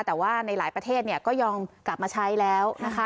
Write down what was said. แต่ว่าในหลายประเทศก็ยอมกลับมาใช้แล้วนะคะ